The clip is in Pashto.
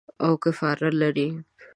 او کفار یې لري.